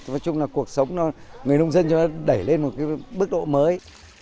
nói chung là cuộc sống người nông dân cho nó đẩy lên một cái bước độ mới